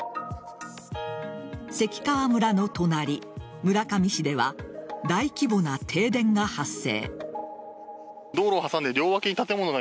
関川村の隣・村上市では大規模な停電が発生。